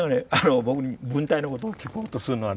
僕に文体のことを聞こうとするのはね